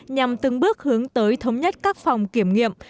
nhằm từng bước hướng tới thống nhất các phòng kiểm nghiệm